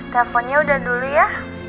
teleponnya udah dulu ya